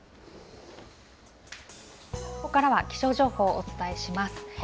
ここからは気象情報をお伝えします。